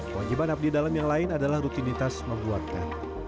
kewajiban abdi dalam yang lain adalah rutinitas membuatnya